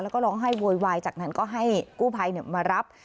แล้วก็ร้องไห้โวยวายจากนั้นก็ให้กู้ภัยมารับ